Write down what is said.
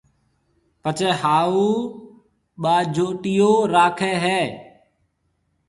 پڇيَ ھاھُو ٻاجوٽيو راکيَ ھيََََ